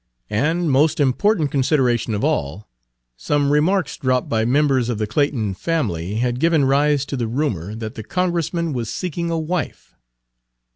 And, most important consideration of all, some remarks dropped by members of the Clayton family had given rise to the rumor that the Congressman was seeking a wife.